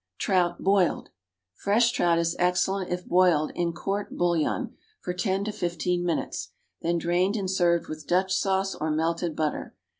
=Trout, Boiled.= Fresh trout is excellent if boiled in "court bouillon" for ten to fifteen minutes, then drained and served with Dutch sauce or melted butter.